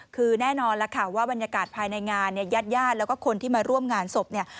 คือแน่นอนแล้วค่ะว่าบรรยากาศภายในงานเนี่ยญาติญาติแล้วก็คนที่มาร่วมงานศพเนี่ย